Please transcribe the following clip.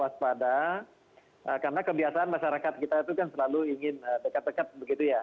karena kebiasaan masyarakat kita itu kan selalu ingin dekat dekat begitu ya